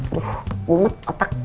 aduh umut otak